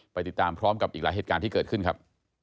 ไปติดตามพร้อมกับอีกหลายเหตุการณ์ที่เกิดขึ้นครับ